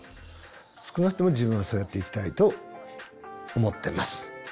少なくとも自分はそうやっていきたいと思ってます。